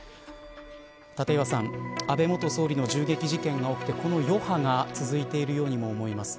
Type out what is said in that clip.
立岩さん、安倍元総理の銃撃事件が起きてこの余波が続いているようにも思えます。